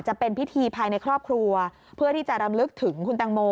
จะเป็นพิธีภายในครอบครัวเพื่อที่จะรำลึกถึงคุณแตงโม